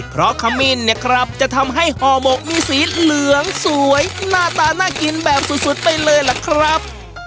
เพราะขมิ้นเนี่ยครับจะทำให้ห่อหมกมีสีเหลืองสวยหน้าตาน่ากินแบบสุดไปเลยล่ะครับ